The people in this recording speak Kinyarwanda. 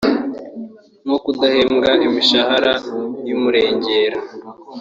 nko kudahemba imishahara y’umurengera